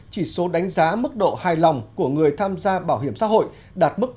chỉ số đánh giá mức độ hài lòng của người tham gia bảo hiểm xã hội đạt mức